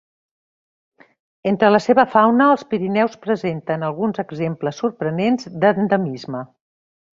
Entre la seva fauna, els Pirineus presenten alguns exemples sorprenents d'endemisme.